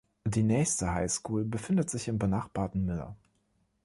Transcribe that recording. Die nächste High School befindet sich im benachbarten Miller.